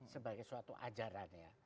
sebagai suatu ajaran ya